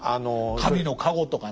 神の加護とかね。